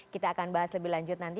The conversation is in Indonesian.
kita akan bahas lebih lanjut nanti